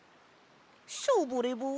ショボレボン。